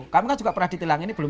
kami kan juga pernah di tilang ini